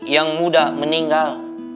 yang muda meninggal